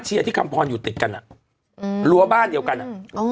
เชียที่คำภรณ์อยู่ติดกันอ่ะลัวบ้านเดียวกันอ่ะ